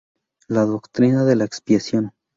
La doctrina de la expiación.